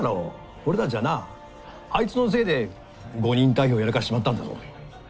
俺たちはなあいつのせいで誤認逮捕やらかしちまったんだぞ。